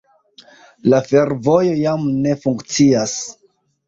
La fervojo jam ne funkcias.